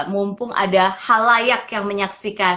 mumpung ada hal layak yang menyaksikan